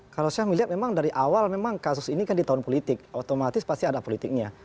kalau saya melihat memang dari awal memang kasus ini kan di tahun politik otomatis pasti ada politiknya